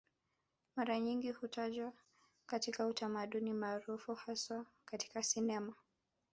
Mara nyingi hutajwa katika utamaduni maarufu haswa katika sinema